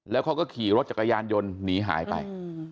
แล้วเขาก็ขี่รถจักรยานยนต์หนีหายไป